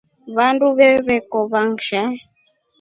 Vandu vevokova nshaa.